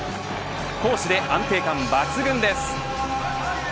攻守で安定感抜群です。